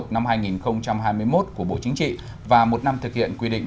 năm hai nghìn hai mươi một của bộ chính trị và một năm thực hiện quy định